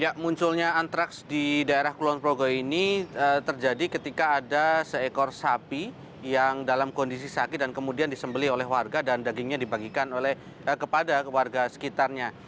ya munculnya antraks di daerah kulonprogo ini terjadi ketika ada seekor sapi yang dalam kondisi sakit dan kemudian disembeli oleh warga dan dagingnya dibagikan kepada warga sekitarnya